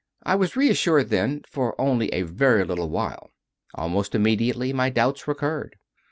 I was reassured, then, for only a very little while. Almost immediately my doubts recurred.